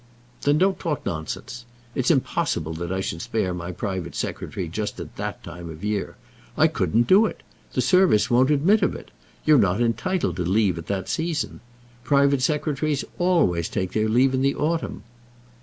"Then don't talk nonsense. It's impossible that I should spare my private secretary just at that time of the year. I couldn't do it. The service won't admit of it. You're not entitled to leave at that season. Private secretaries always take their leave in the autumn."